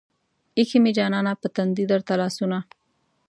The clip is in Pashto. ايښې مې جانانه پۀ تندي درته لاسونه